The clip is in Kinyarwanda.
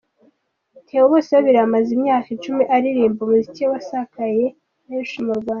Theo Bosebabireba amaze imyaka icumi aririmba, umuziki we wasakaye henshi mu Rwanda.